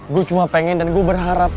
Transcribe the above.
gue cuma pengen dan gue berharap